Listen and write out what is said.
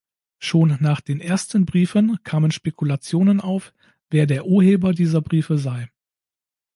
Schon nach den ersten Briefen kamen Spekulationen auf, wer der Urheber dieser Briefe sei.